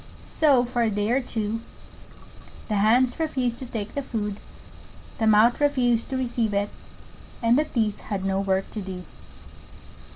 So for a day or two the Hands refused to take the food, the Mouth refused to receive it, and the Teeth had no work to do.